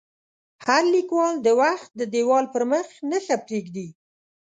هر لیکوال د وخت د دیوال پر مخ نښه پرېږدي.